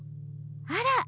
あら！